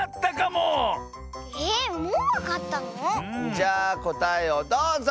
じゃあこたえをどうぞ！